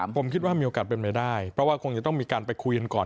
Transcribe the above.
ผมคิดว่ามีโอกาสเป็นไปได้เพราะว่าคงจะต้องมีการไปคุยกันก่อน